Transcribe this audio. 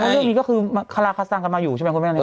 เรื่องนี้ก็คือคาราคาซังกันมาอยู่ใช่ไหมคุณแม่นี้